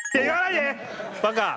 バカ。